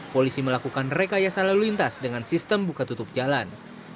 polisi melakukan rekayasa lalu lintas dengan sistem buka tutup jalan